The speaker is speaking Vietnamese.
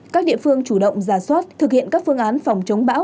các địa phương chủ động giả soát thực hiện các phương án phòng chống bão